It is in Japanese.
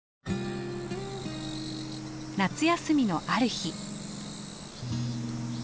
夏休みのある日。